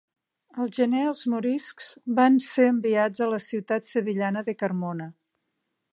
Al gener els moriscs van ser enviats a la ciutat sevillana de Carmona.